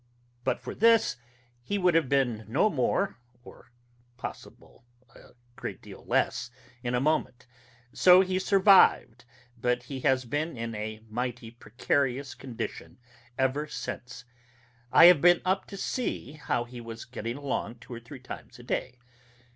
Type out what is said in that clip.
But for this he would have been no more or possible a great deal less in a moment. So he survived; but he has been in a mighty precarious condition ever since. I have been up to see how he was getting along two or three times a day....